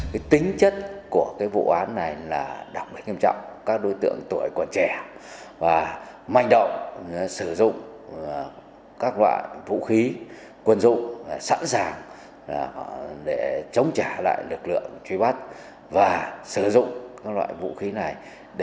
cái tính chất của cái vụ án này là đặc biệt nghiêm trọng các đối tượng tội còn trẻ và manh động sử dụng các loại vũ khí quân dụng sẵn sàng để chống trả lại lực lượng truy bắt và sử dụng các loại vũ khí này